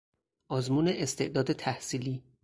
آزمون استعداد تحصیلی